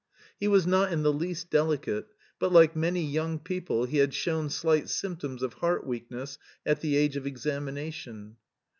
He was not in the least delicate, but, like many young people, he had shown slight symptoms of heart weakness at the age of examination.